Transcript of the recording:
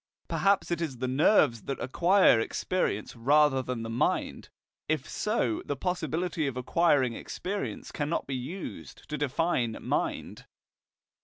Perhaps it is the nerves that acquire experience rather than the mind. If so, the possibility of acquiring experience cannot be used to define mind.